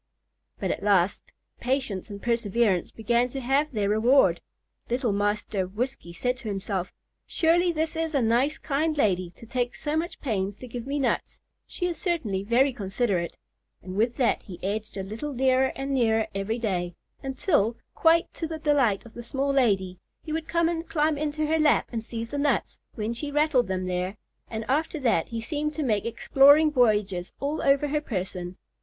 But at last patience and perseverance began to have their reward. Little Master Whiskey said to himself, "Surely this is a nice, kind lady, to take so much pains to give me nuts; she is certainly very considerate;" and with that he edged a little nearer and nearer every day, until, quite to the delight of the small lady, he would come and climb into her lap and seize the nuts, when she rattled them there, and after that he seemed to make exploring voyages all over her person.